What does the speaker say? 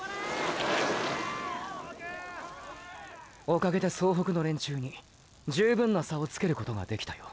おかげで総北の連中に充分な差をつけることができたよ。